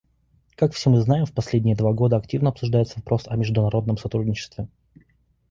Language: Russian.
Как все мы знаем, в последние два года активно обсуждается вопрос о международном сотрудничестве.